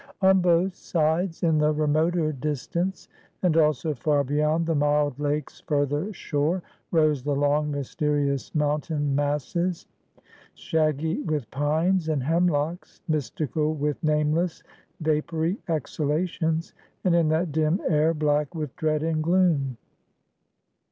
On both sides, in the remoter distance, and also far beyond the mild lake's further shore, rose the long, mysterious mountain masses; shaggy with pines and hemlocks, mystical with nameless, vapory exhalations, and in that dim air black with dread and gloom.